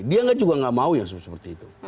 dia juga nggak mau yang seperti itu